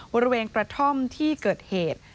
บริเวณกระท่อมที่เกิดเหตุ